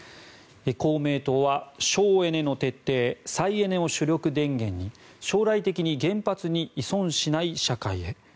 公明党は省エネの徹底再エネを主力電源に将来的に原発に依存しない社会へ。